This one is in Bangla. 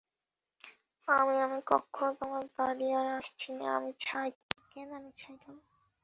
আমি-আমি কখখনো তোমার বাড়ি আর আসচিনে-আমি ছাই খাবো, কেন আমি ছাই খাবো?